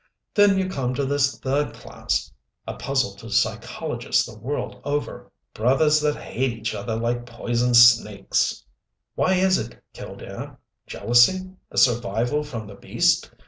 Then you come to this third class, a puzzle to psychologists the world over! Brothers that hate each other like poison snakes. "Why is it, Killdare? Jealousy? A survival from the beast?